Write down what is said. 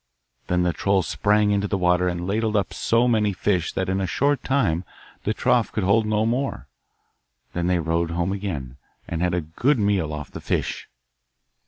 Then the troll sprang into the water and ladled up so many fish that in a short time the trough could hold no more. They then rowed home again, and had a good meal off the fish.